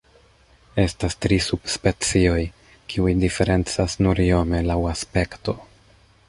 Estas tri subspecioj, kiuj diferencas nur iome laŭ aspekto.